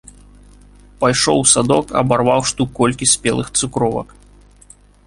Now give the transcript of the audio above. Пайшоў у садок, абарваў штук колькі спелых цукровак.